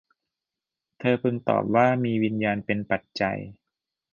เธอพึงตอบว่า มีวิญญาณเป็นปัจจัย